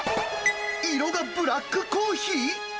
色がブラックコーヒー？